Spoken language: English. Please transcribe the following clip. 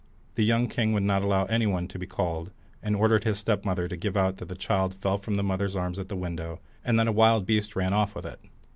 The young king would not allow any one to be called, and ordered his stepmother to give out that the child fell from the mother's arms at the window, and that a wild beast ran off with it.